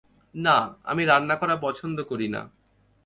না, আমি রান্না করা পছন্দ করি না।